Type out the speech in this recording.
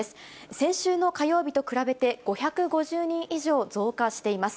先週の火曜日と比べて５５０人以上増加しています。